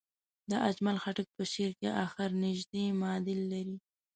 د اجمل خټک په شعر کې اخر نژدې معادل لري.